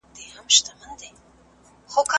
تعلیم د افرادو ذاتی استعدادونه پیاوړي کوي.